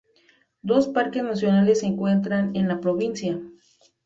Dos parques nacionales se encuentran en la provincia.